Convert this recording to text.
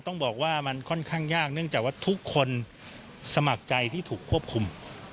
ต้องบอกว่ามันค่อนข้างยากเนื่องจากว่าทุกคนสมัครใจที่ถูกควบคุม